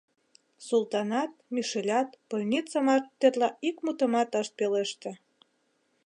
Султанат, Мишелят больница марте тетла ик мутымат ышт пелеште.